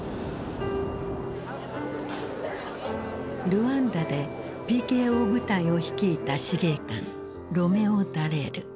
ルワンダでＰＫＯ部隊を率いた司令官ロメオ・ダレール。